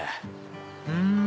うん！